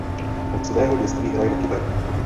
Od svého dětství hraje na kytaru.